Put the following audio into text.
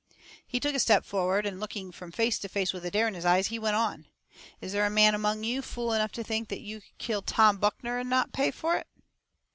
He took a step forward, and, looking from face to face with a dare in his eyes, he went on: "Is there a man among you fool enough to think you could kill Tom Buckner and not pay for it?"